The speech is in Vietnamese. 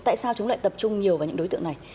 tại sao chúng lại tập trung nhiều vào những đối tượng này